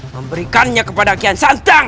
memberikannya kepada kian santan